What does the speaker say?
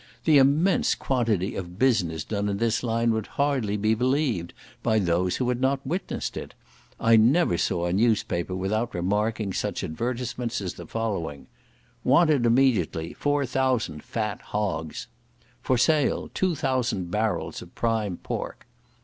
The immense quantity of business done in this line would hardly be believed by those who had not witnessed it. I never saw a newspaper without remarking such advertisements as the following: "Wanted, immediately, 4,000 fat hogs." "For sale, 2,000 barrels of prime pork."